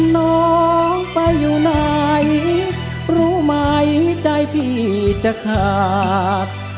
น้องไปอยู่ไหนรู้ไหมใจพี่จะขาด